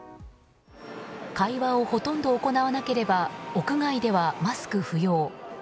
会話をほとんど行わなければ屋外ではマスク不要。